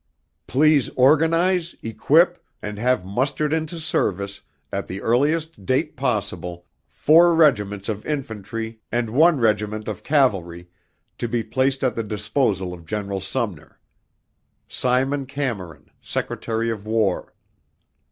Please organize, equip, and have mustered into service, at the earliest date possible, four regiments of infantry and one regiment of cavalry, to be placed at the disposal of General Sumner. Simon Cameron, Secretary of War.